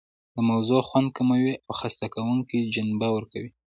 د موضوع خوند کموي او خسته کوونکې جنبه ورکوي.